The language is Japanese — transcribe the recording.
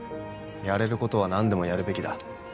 やれることは何でもやるべきだ